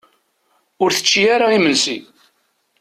Ur tečči ara imensi.